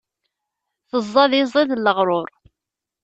Teẓẓad iẓid n leɣrur.